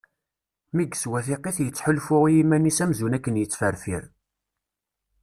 Mi yeswa tiqit yettḥulfu i yiman-is amzun akken yettferfir.